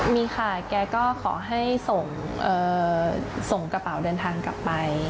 มีค่ะแกก็ขอให้ส่งกระเป๋าเดินทางกลับไป